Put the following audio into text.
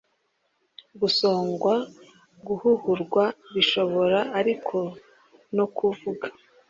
gusongwa guhuhurwa. bishobora ariko no kuvuga